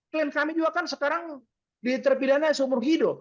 klien kami juga kan sekarang di terpidana seumur hidup